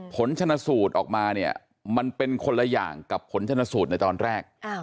ผลชนะสูตรออกมาเนี่ยมันเป็นคนละอย่างกับผลชนสูตรในตอนแรก